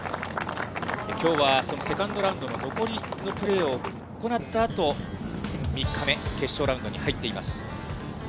きょうはセカンドラウンドの残りのプレーを行ったあと、３日目、決勝ラウンドに入っています。